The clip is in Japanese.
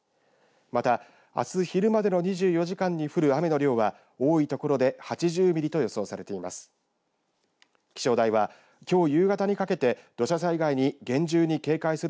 また、あす昼までの２４時間に降る雨の量は多い所で８０ミリと予想されています。